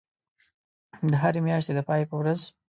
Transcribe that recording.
د هری میاشتی د پای په ورځ